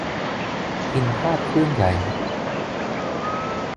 พิณพาทย์เครื่องใหญ่